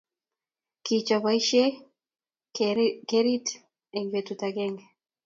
Kichop boisiek kererit eng petut akenge